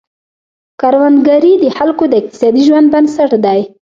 کروندګري د خلکو د اقتصادي ژوند بنسټ دی.